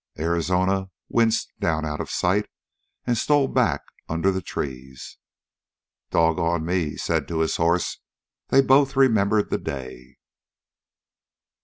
Arizona winced down out of sight and stole back under the trees. "Doggone me," he said to his horse, "they both remembered the day."